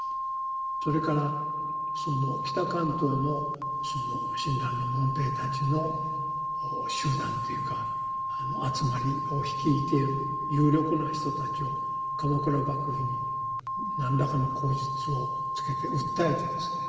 それからその北関東の親鸞の門弟たちの集団というか集まりを率いている有力な人たちを鎌倉幕府に何らかの口実をつけて訴えてですね